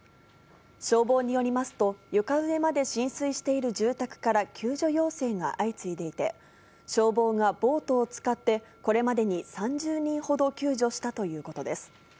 消防によりますと、床上まで浸水している住宅から救助要請が相次いでいて、消防がボートを使って、これまでに３０人ほど救助したということです。